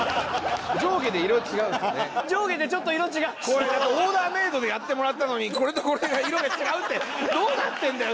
これオーダーメイドでやってもらったのにこれとこれが色が違うってどうなってんだよ！？